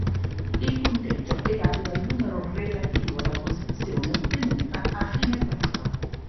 Il punteggio è dato dal numero relativo alla posizione ottenuta a fine prova.